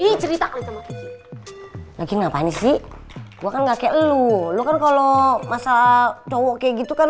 ii cerita kali sama fiji lagi ngapain sih gue kan nggak kayak lu lu kan kalau masalah cowok kayak gitu kan